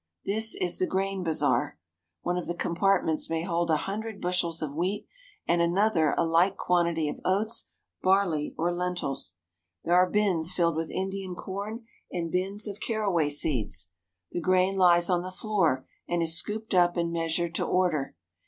This is the grain bazaar. One of the compartments may hold a hundred bushels of wheat and another a like quantity of oats, barley, or lentils. There are bins filled with Indian corn and bins of caraway seeds. The grain lies on the floor and is scooped up and measured to order.